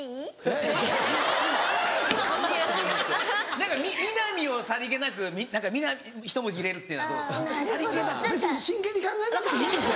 何か南をさりげなくひと文字入れるっていうのはどうですか？